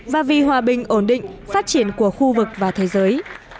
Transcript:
và vì hòa bình ổn định phát triển của khu vực và thế giới